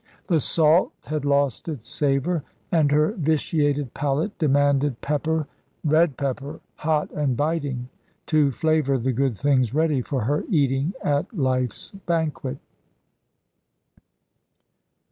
The salt had lost its savour, and her vitiated palate demanded pepper red pepper, hot and biting to flavour the good things ready for her eating at life's banquet.